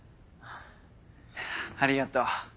ありがとう。